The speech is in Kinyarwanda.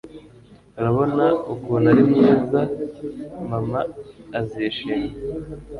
urabona ukuntu ari mwiza! mama azishima